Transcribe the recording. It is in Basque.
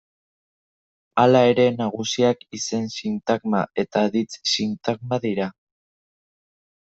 Hala ere, nagusiak izen-sintagma eta aditz-sintagma dira.